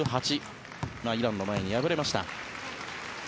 イランの前に敗れました。